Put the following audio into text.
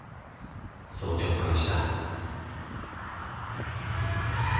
そう直感した